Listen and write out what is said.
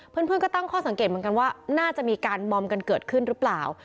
เพื่อนก็ตั้งข้อสังเกตเหมือนกันว่าน่าจะมีการมอมกันเกิดขึ้นหรือเปล่า